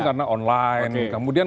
karena online kemudian